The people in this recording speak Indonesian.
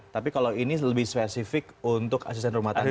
tapi kalau ini lebih spesifik untuk asisten rumah tangga